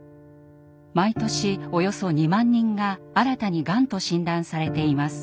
毎年およそ２万人が新たにがんと診断されています。